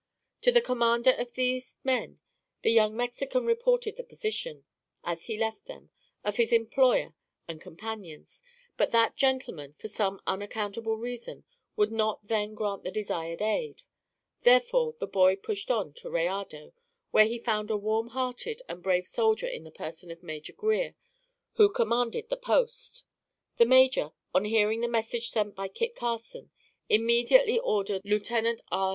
To the commander of these men, the young Mexican reported the position, as he left them, of his employer and companions, but that gentleman, for some unaccountable reason, would not then grant the desired aid; therefore, the boy pushed on to Rayado, where he found a warm hearted and brave soldier in the person of Major Grier, who commanded the post. The major, on hearing the message sent by Kit Carson, immediately ordered Lieutenant R.